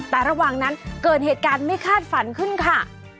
แต่ระหว่างนั้นเกิดเหตุการณ์ไม่คาดฝันขึ้นค่ะ